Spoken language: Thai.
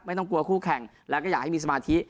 ไม่ต้องกลัวคู่แข่งแล้วก็อยากให้มีสมาธิ